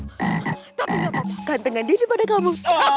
tapi siapa yang akan gantengan diri pada kamu